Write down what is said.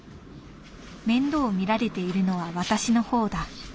面倒をみられているのは私の方だ」。